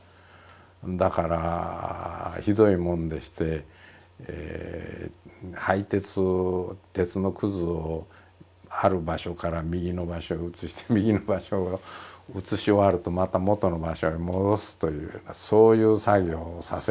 だからひどいもんでして廃鉄鉄のくずをある場所から右の場所へ移して右の場所移し終わるとまた元の場所へ戻すというようなそういう作業をさせられる。